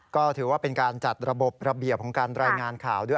ก็ถือว่าเป็นการจัดระบบระเบียบของการรายงานข่าวด้วย